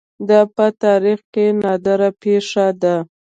دا په تاریخ کې نادره پېښه ده